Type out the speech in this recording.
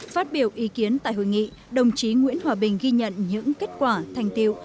phát biểu ý kiến tại hội nghị đồng chí nguyễn hòa bình ghi nhận những kết quả thành tiệu